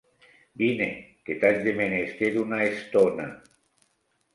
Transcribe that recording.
Vine, que t'haig de menester una estona!